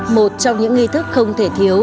một trong những nghi thức không thể thiếu